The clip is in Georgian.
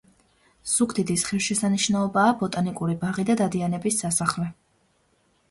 ზუგდიდის ღირს შესანიშნაობაა ბოტანიკური ბაღი და დადიანების სასახლე.